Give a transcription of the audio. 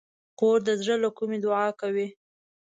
خور د زړه له کومي دعا کوي.